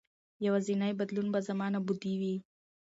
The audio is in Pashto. یوازېنی بدلون به زما نابودي وي.